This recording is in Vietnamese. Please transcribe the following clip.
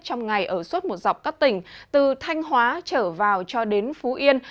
trong ngày ở suốt một dọc các tỉnh từ thanh hóa trở vào cho đến phú yên